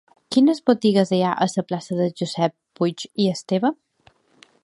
Quines botigues hi ha a la plaça de Josep Puig i Esteve?